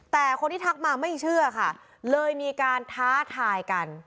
แต่คนที่ทักมาไม่เชื่อค่ะเลยมีการท้าทายกัน